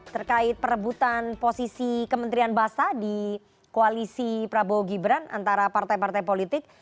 terkait perebutan posisi kementerian basah di koalisi prabowo gibran antara partai partai politik